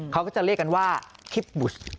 เขาก็จะเรียกกันว่าคิปบุช